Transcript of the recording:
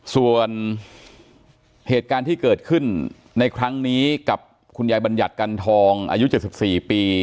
ส่วนเหตุการณ์ที่เกิดขึ้นในครั้งนี้กับคุณยายบัญญัติกันทองอายุ๗๔ปี